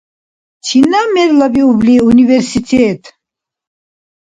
Чинаб мерлабиубли университет?